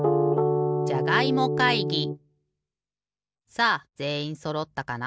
さあぜんいんそろったかな？